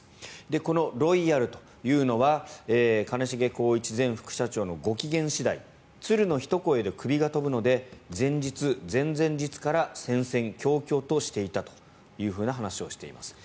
このロイヤルというのは兼重宏一前副社長のご機嫌次第鶴のひと声でクビが飛ぶので前日、前々日から戦々恐々としていたという話をしています。